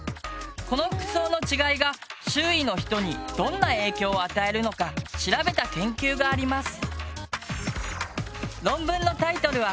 この服装の違いが周囲の人にどんな影響を与えるのか調べた研究があります。